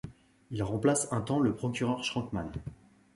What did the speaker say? Il remplace un temps le procureur Schrankmann.